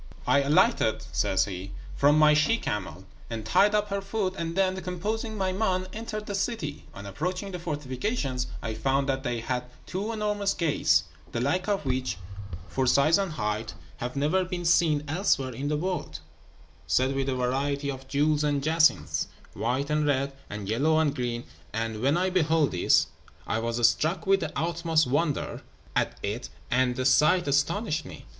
"I alighted," says he, "from my she camel, and tied up her foot; and then, composing my mind, entered the city. On approaching the fortifications, I found that they had two enormous gates, the like of which, for size and height, have never been seen elsewhere in the world, set with a variety of jewels and jacinths, white and red, and yellow and green; and when I beheld this, I was struck with the utmost wonder at it, and the sight astonished me.